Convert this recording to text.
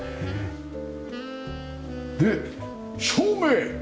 で照明！